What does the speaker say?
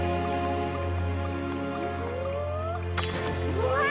うわ！